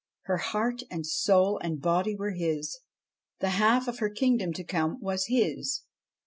Her heart and soul and body were his. The half of her kingdom to come was his.